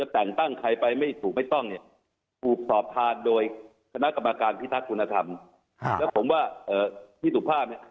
ทางพิทักษ์คุณธรรมแล้วผมว่าเอ่อที่สุภาพเนี่ย